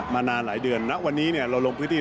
มานานหลายเดือนณวันนี้เราลงพื้นที่